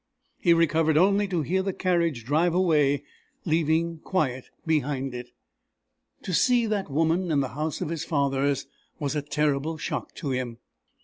He recovered only to hear the carriage drive away, leaving quiet behind it. To see that woman in the house of his fathers, was a terrible shock to him.